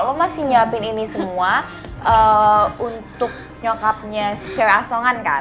lo masih nyiapin ini semua untuk nyokapnya secara asongan kan